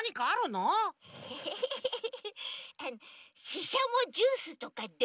ししゃもジュースとかどう？